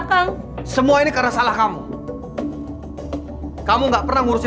tidak ada apa apa lagi